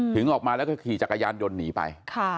ออกมาแล้วก็ขี่จักรยานยนต์หนีไป